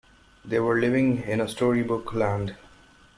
They were living in a storybook land.